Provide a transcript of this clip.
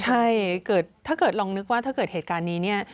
ใช่ถ้าเกิดลองนึกว่าเกิดเหตุการณ์นี้